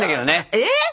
えっ！？